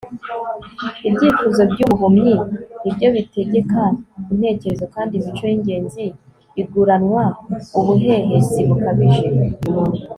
ibyifuzo by'ubuhumyi ni byo bitegeka intekerezo, kandi imico y'ingenzi iguranwa ubuhehesi bukabije